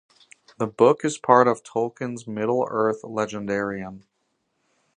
The book is part of Tolkien's Middle-earth legendarium.